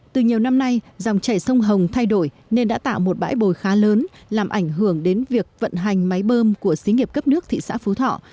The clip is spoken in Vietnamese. từ nhiều năm nay dòng chảy sông hồng thay đổi nên đã tạo một bãi bồi khá lớn làm ảnh hưởng đến việc vận hành máy bơm của xí nghiệp cấp nước thị xã phú thọ